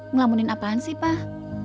ngelamunin apaan sih pak